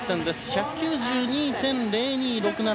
１９２．０２６７。